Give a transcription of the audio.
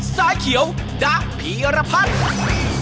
สายเขียวดับผีอรพัฒน์